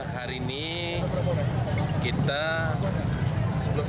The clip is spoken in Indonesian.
hari ini kita sebelas orang